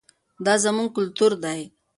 دا زموږ کلتور دی.